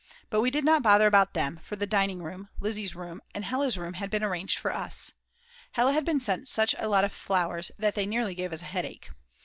But we did not bother about them, for the dining room, Lizzi's room, and Hella's room had been arranged for us. Hella had been sent such a lot of flowers that they nearly gave us a headache.